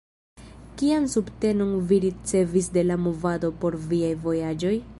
Kian subtenon vi ricevis de la movado por viaj vojaĝoj?